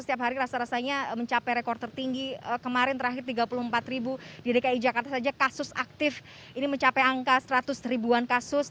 setiap hari rasa rasanya mencapai rekor tertinggi kemarin terakhir tiga puluh empat ribu di dki jakarta saja kasus aktif ini mencapai angka seratus ribuan kasus